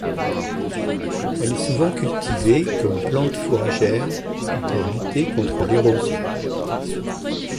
Elle est souvent cultivée comme plante fourragère ou pour lutter contre l'érosion.